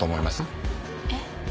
えっ？